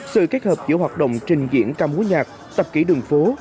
sự kết hợp giữa hoạt động trình diễn ca múa nhạc tập ký đường phố